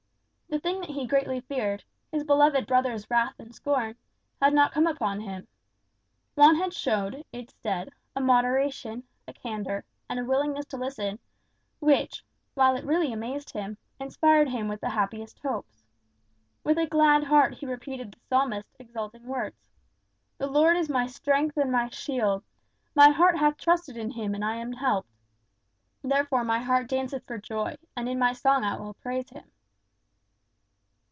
The thing that he greatly feared, his beloved brother's wrath and scorn, had not come upon him. Juan had shown, instead, a moderation, a candour, and a willingness to listen, which, while it really amazed him, inspired him with the happiest hopes. With a glad heart he repeated the Psalmist's exulting words: "The Lord is my strength and my shield; my heart hath trusted in him and I am helped; therefore my heart danceth for joy, and in my song will I praise him."